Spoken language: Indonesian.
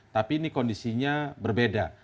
tapi ini kondisinya berbeda